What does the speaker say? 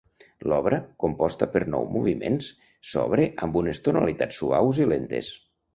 L'obra, composta per nou moviments, s'obre amb unes tonalitats suaus i lentes.